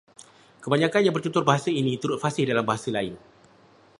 Kebanyakan yang bertutur bahasa ini turut fasih dalam bahasa lain